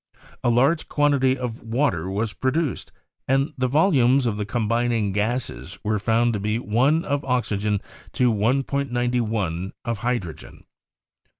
A large quantity of water was produced, and the volumes of the combining gases were found to be 1 of oxygen to 1.91 of hydrogen.